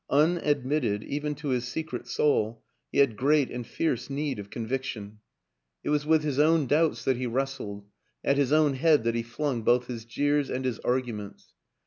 Unadmitted, even to his secret soul, he had great and fierce need of conviction; it was WILLIAM AN ENGLISHMAN 219 with his own doubts that he wrestled, at his own head that he flung both his jeers and his argu ments.